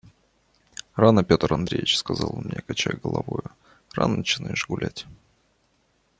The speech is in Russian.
«Рано, Петр Андреич, – сказал он мне, качая головою, – рано начинаешь гулять.